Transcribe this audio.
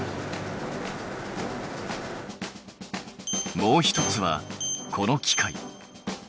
もう一つはこの機械。